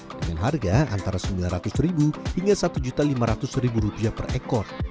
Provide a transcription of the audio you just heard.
dengan harga antara rp sembilan ratus hingga rp satu lima ratus per ekor